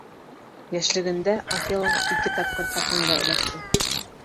Йәшлегендә Акела ике тапҡыр ҡапҡанға эләкте.